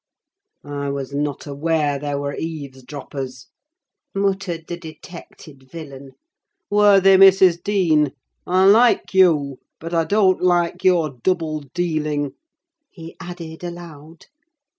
"I was not aware there were eavesdroppers," muttered the detected villain. "Worthy Mrs. Dean, I like you, but I don't like your double dealing," he added aloud.